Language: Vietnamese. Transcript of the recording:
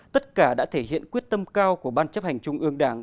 tất cả đã thể hiện quyết tâm cao của ban chấp hành trung ương đảng